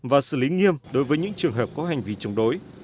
và xử lý nghiêm đối với những trường hợp có hành vi chống đối